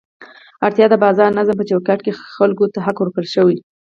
اړتیا ده د بازار نظام په چوکاټ کې خلکو ته حق ورکړل شي.